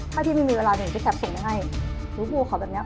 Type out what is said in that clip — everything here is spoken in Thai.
ถ้าพี่มีเวลาหนึ่งจะแท็บส่งยังไงหรือหัวเขาแบบเนี้ย